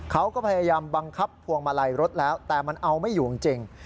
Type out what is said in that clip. เขาก็พยายามบังคับพวงมาลัยรถแล้วแต่มันเอาไม่อยู่จริง